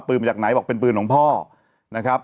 มาจากไหนบอกเป็นปืนของพ่อนะครับ